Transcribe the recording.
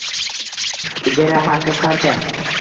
Ijara haqi qancha?